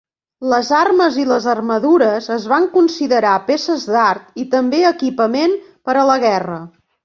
Les armes i les armadures es van considerar peces d"art i també equipament per a la guerra.